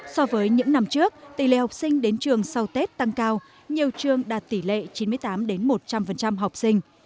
so với những năm trước tỷ lệ học sinh đến trường sau tết tăng cao nhiều trường đạt tỷ lệ chín mươi tám một trăm linh học sinh